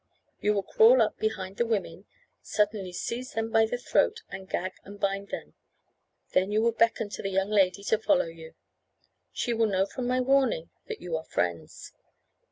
You will crawl up behind the women, suddenly seize them by the throat and gag and bind them. Then you will beckon to the young lady to follow you. She will know from my warning that you are friends.